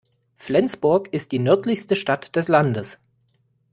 Flensburg ist die nördlichste Stadt des Landes.